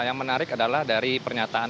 yang menarik adalah dari pernyataan